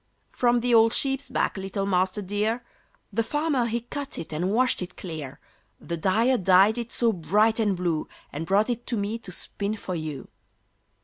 "From the old sheep's back, little Master dear! The farmer he cut it and washed it clear; The dyer dyed it so bright and blue, And brought it to me to spin for you."